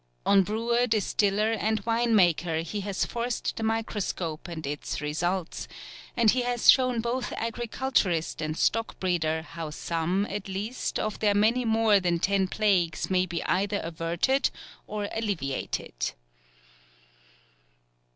On brewer, distiller, and wine maker he has forced the microscope and its results; and he has shown both agriculturist and stock breeder how some, at least, of their many more than ten plagues may be either averted or alleviated.